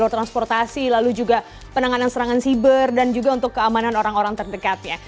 transportasi lalu juga penanganan serangan siber dan juga untuk keamanan orang orang terdekatnya